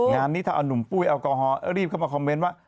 งานนี้ถ้าเอานุ่มปุ้ยแอลกอฮอลรีบเข้ามาคอมเมนต์ว่า